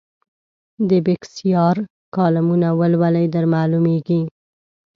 د بېکسیار کالمونه ولولئ درمعلومېږي.